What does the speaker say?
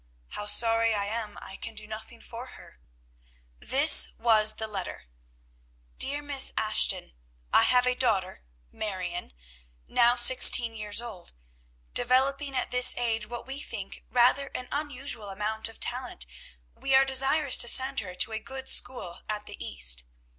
"How sorry I am, I can do nothing for her!" This was the letter: DEAR MISS ASHTON, I have a daughter Marion, now sixteen years old. Developing at this age what we think rather an unusual amount of talent, we are desirous to send her to a good school at the East.